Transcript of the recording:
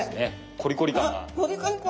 コリコリ感。